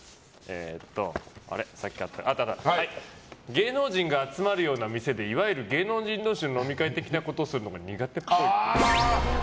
芸能人が集まるような店でいわゆる芸能人同士の飲み会的なことするのが苦手っぽい。